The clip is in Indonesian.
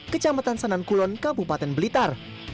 kecamatan sanankulon kabupaten blitar